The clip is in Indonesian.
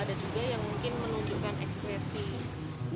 ada juga yang mungkin menunjukkan ekspresi